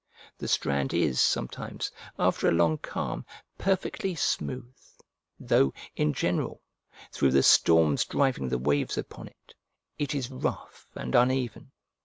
The strand is, sometimes, after a long calm, perfectly smooth, though, in general, through the storms driving the waves upon it, it is rough and uneven.